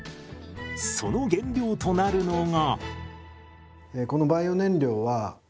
その原料となるのが。